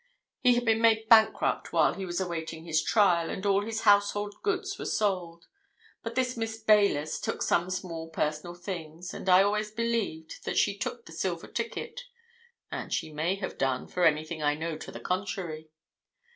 He had been made bankrupt while he was awaiting his trial, and all his household goods were sold. But this Miss Baylis took some small personal things, and I always believed that she took the silver ticket. And she may have done, for anything I know to the contrary.